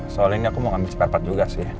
soal ini aku mau ambil spare part juga sih